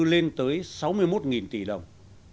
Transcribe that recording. lên tới sáu mươi một tỷ đồng